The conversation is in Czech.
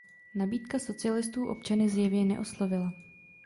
Nabídka socialistů občany zjevně neoslovila.